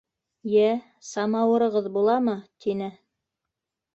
— Йә, самауырығыҙ буламы? — тине.